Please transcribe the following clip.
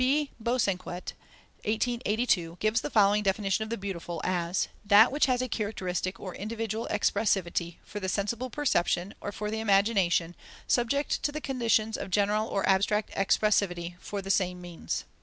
B. Bosanquet (1892) gives the following definition of the beautiful, as "that which has a characteristic or individual expressivity for the sensible perception, or for the imagination, subject to the conditions of general or abstract expressivity for the same means."